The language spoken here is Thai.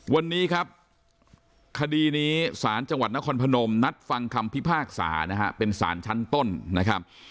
วันนี้ครับคดีนี้ศาลจังหวัดนครพนมนัดฟังคำพิพากษานะฮะเป็นสารชั้นต้นนะครับ